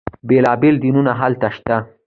بیلا بیل دینونه هلته شته.